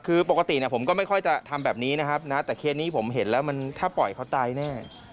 คือปกติเนี่ยผมก็ไม่ค่อยจะทำแบบนี้นะครับนะแต่เคสนี้ผมเห็นแล้วมันถ้าปล่อยเขาตายแน่